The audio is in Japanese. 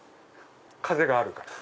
風があるから。